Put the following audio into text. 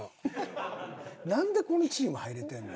なんでこのチーム入れてるの？